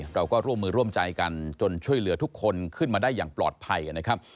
เราก็ร่วมมือร่วมใจกันจนช่วยเหลือทุกคนขึ้นมาได้อย่างปลอดภัยนะครับ